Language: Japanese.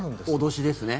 脅しですね。